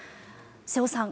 瀬尾さん